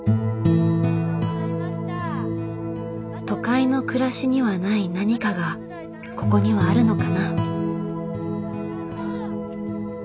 都会の暮らしにはない何かがここにはあるのかな。